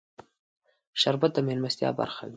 شربت د مېلمستیا برخه وي